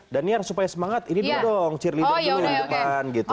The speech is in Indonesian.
dan niar supaya semangat ini dulu dong cheerleader ini yang utama gitu